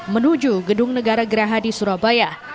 menuju gedung negara geraha di surabaya